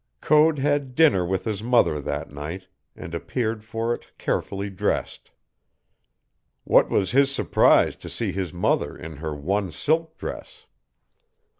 Code had dinner with his mother that night, and appeared for it carefully dressed. What was his surprise to see his mother in her one silk dress.